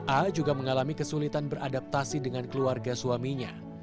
a juga mengalami kesulitan beradaptasi dengan keluarga suaminya